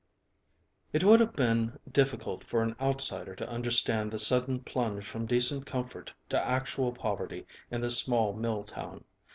It would have been difficult for an outsider to understand the sudden plunge from decent comfort to actual poverty in this small mill town.